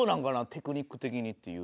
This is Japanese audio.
テクニック的にっていう。